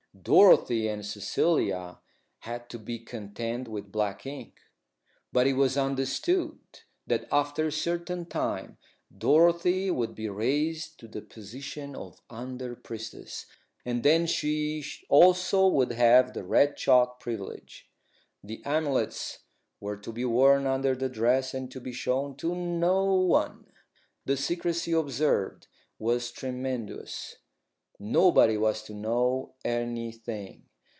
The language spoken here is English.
Dorothy and Cecilia had to be content with black ink. But it was understood that after a certain time Dorothy would be raised to the position of under priestess, and then she also would have the red chalk privilege. The amulets were to be worn under the dress, and to be shown to no one. The secrecy observed was tremendous. Nobody was to know anything.